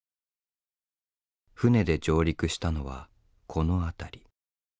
船で上陸したのはこの辺り。